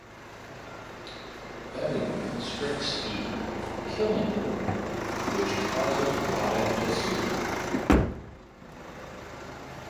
Betty constricts Eve, killing her, which causes Broddick to snap.